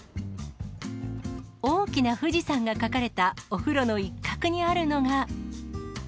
大きな富士山が描かれたお風呂の一角にあるのが。